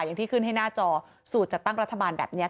อย่างที่ขึ้นให้หน้าจอสูตรจัดตั้งรัฐบาลแบบนี้